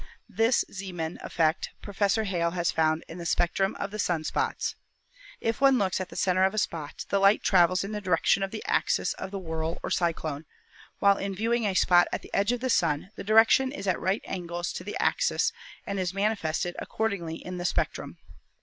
This Zeeman effect Professor Hale has found in the spectrum of the sun spots. If one looks at the center of a spot the light travels in the direction of the axis of the whirl or cyclone, while in viewing a spot at the edge of the Sun the direc tion is at right angles to the axis and is manifested accord THE SUN 105 ingly in the spectrum.